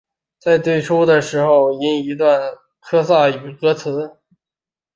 在最初的时候只有一段科萨语歌词。